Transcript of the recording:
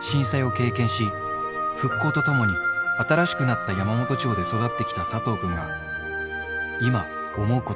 震災を経験し、復興とともに新しくなった山元町で育ってきた佐藤君が今、思うこ